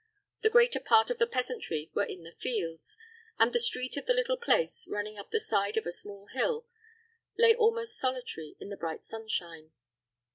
The greater part of the peasantry were in the fields; and the street of the little place, running up the side of a small hill, lay almost solitary in the bright sunshine.